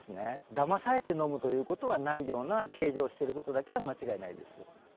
騙されて飲むということはないような形状をしていることだけは間違いないです。